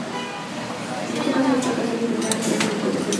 En dos ocasiones fracasó al intentar entrar en el Conservatorio.